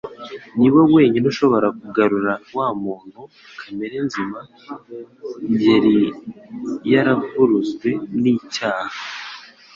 Ni we wenyine ushobora kugarura mu muntu kamere nzima yari yaravuruzwe n'icyaha.